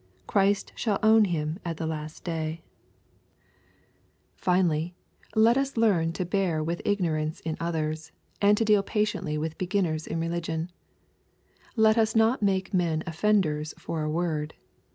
Christ shall own him at the last day. LUKE, CHAP. IX. 325 Finally, let us learn to bear with ignorance in others, and to deal patiently with beginners in religion. Let us not make men offenders for a word.